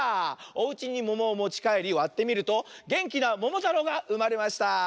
おうちにももをもちかえりわってみるとげんきなももたろうがうまれました。